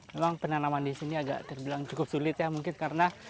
memang penanaman di sini agak terbilang cukup sulit ya mungkin karena